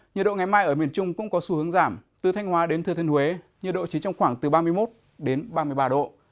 nhiệt độ ngày mai ở miền trung cũng có xu hướng giảm từ thanh hóa đến thừa thiên huế nhiệt độ chỉ trong khoảng từ ba mươi một đến ba mươi ba độ